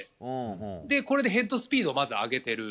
これでヘッドスピードをまず上げてる。